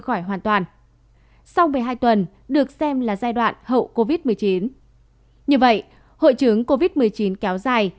khỏi hoàn toàn sau một mươi hai tuần được xem là giai đoạn hậu covid một mươi chín như vậy hội chứng covid một mươi chín kéo dài